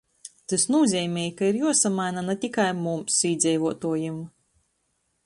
Tys nūzeimoj, ka ir juosamaina na tikai mums, īdzeivuotuojim.